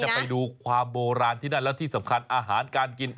ไปดูความโบราณที่นั่นแล้วที่สำคัญอาหารการกิน